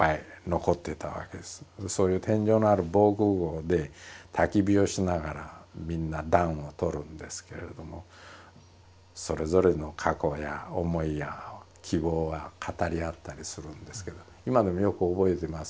そういう天井のある防空ごうでたき火をしながらみんな暖をとるんですけれどもそれぞれの過去や思いや希望語り合ったりするんですけど今でもよく覚えてます。